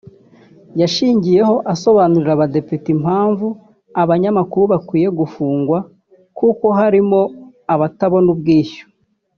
yashingiyeho asobanurira abadepite impamvu abanyamakuru bakwiye gufungwa kuko harimo abatabona ubwishyu